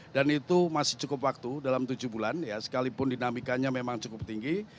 dan itu masih cukup waktu dalam tujuh bulan sekalipun dinamikanya memang cukup tinggi